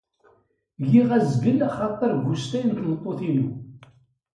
Giɣ azgel axatar g ustay n tmeṭṭuṭ-inu.